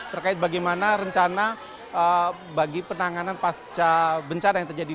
terkait bagaimana rencana bagi penanganan pasca bencana yang terjadi